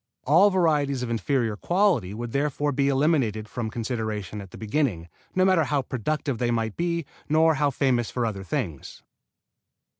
All varieties of inferior quality would therefore be eliminated from consideration at the beginning, no matter how productive they might be, nor how famous for other things.